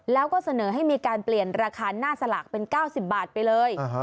แล้วก็เสนอให้มีการเปลี่ยนราคาหน้าสลากเป็น๙๐บาทไปเลย